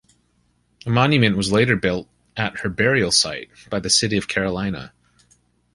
A monument was later built at her burial site by the City of Carolina.